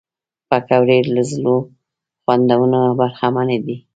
پکورې له زړو خوندونو برخمنې دي